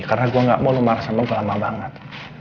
karena gue gak mau lu marah sama gue lama banget